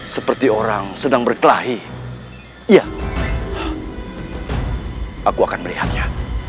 seperti orang sedang berkelahi iya aku akan merihatnya